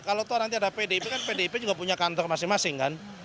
kalau nanti ada pdip kan pdip juga punya kantor masing masing kan